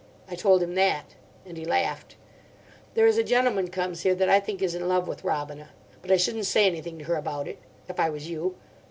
I told him that. And he laughed. There is a gentleman comes here that I think is in love with Robina. But I shouldn't say anything to her about it. If I was you.